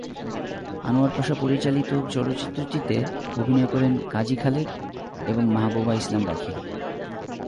আনোয়ার পাশা পরিচালিত চলচ্চিত্রটিতে অভিনয় করেন কাজী খালেক এবং মাহবুবা ইসলাম রাখি।